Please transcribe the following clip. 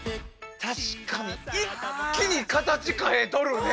確かに一気にカタチ変えとるね。